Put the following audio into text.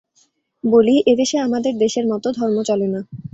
বলি, এদেশে আমাদের দেশের মত ধর্ম চলে না।